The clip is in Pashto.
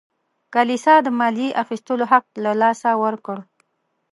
کلیسا د مالیې اخیستلو حق له لاسه ورکړ.